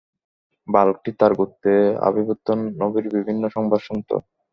বালকটি তার গোত্রে আবির্ভূত নবীর বিভিন্ন সংবাদ শুনত।